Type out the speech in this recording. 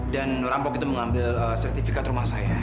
dan rampok itu mengambil sertifikat rumah saya